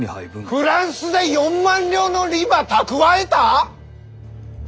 フランスで４万両の利ば蓄えた！？